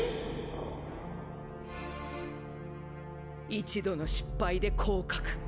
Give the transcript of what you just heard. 一度の失敗で降格。